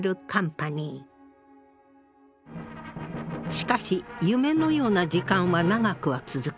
しかし夢のような時間は長くは続かない。